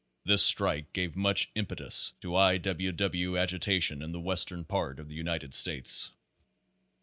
This strike gave much impetus to I. W. W. agitation in the western part of the United States.